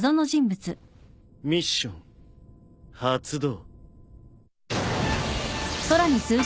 ミッション発動。